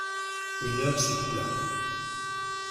Une heure s'écoula.